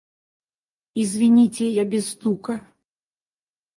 Извините, я без стука.